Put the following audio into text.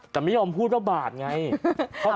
แต่ไม่ยอมพูดว่าบาทนะครับ